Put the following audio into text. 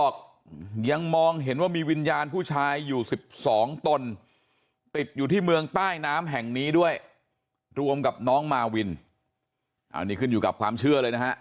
สองตนติดอยู่ที่เมืองใต้น้ำแห่งนี้ด้วยรวมกับน้องมาวินอันนี้ขึ้นอยู่กับความเชื่อเลยนะฮะ